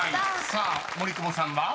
さあ森久保さんは？］